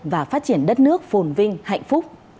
và phát triển đất nước phồn vinh hạnh phúc